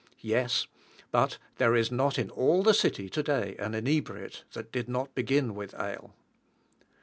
Yes; but there is not in all the city to day an inebriate that did not begin with ale.